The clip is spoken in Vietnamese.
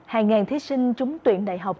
hàng ngàn thiết sinh trúng tuyển đại học